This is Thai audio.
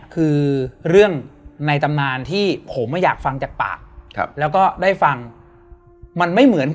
แต่ไม่อย่างไรก็จะเป็นเพื่อน